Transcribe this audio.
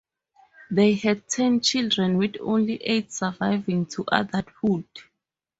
They had ten children with only eight surviving to adulthood.